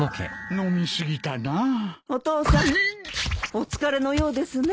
お疲れのようですね。